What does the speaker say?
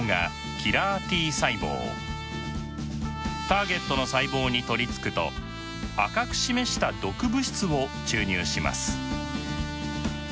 ターゲットの細胞に取りつくと赤く示した毒物質を注入します。